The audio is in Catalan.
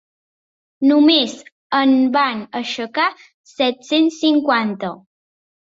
Només en van aixecar set-cents cinquanta.